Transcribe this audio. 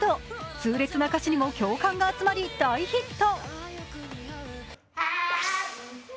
痛烈な歌詞にも共感が集まり、大ヒット。